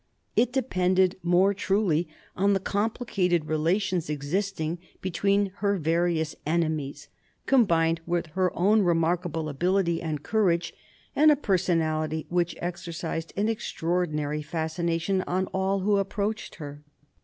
It depended more truly on the complicated relations existing between her various enemies, combined with her own remarkable ability and courage, and a personality which exercised an extraordinary fascination on all who approached her.